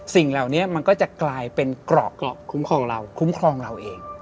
สิ่งเหล่านี้มันก็จะกลายเป็นกรอกคุ้มครองเราเอง